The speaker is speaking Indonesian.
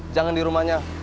jangan di rumahnya